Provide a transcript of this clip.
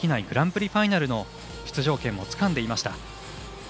グランプリファイナルの出場権もつかんでいました。